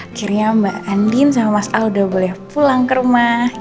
akhirnya mbak andien sama mas al udah boleh pulang ke rumah